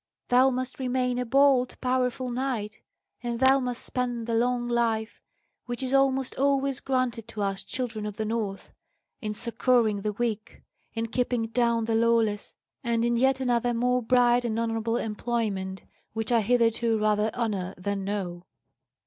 Thou must remain a bold, powerful knight, and thou must spend the long life, which is almost always granted to us children of the North, in succouring the weak, in keeping down the lawless, and in yet another more bright and honourable employment which I hitherto rather honour than know."